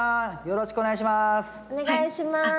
よろしくお願いします。